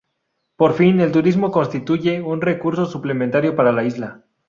Por fin, el turismo constituye un recurso suplementario para la isla.